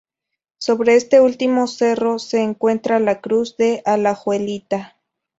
Sobre este último cerro se encuentra la Cruz de Alajuelita.